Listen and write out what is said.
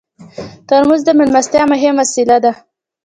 ترموز د میلمستیا مهم وسیله ده.